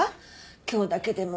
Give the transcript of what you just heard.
今日だけでも。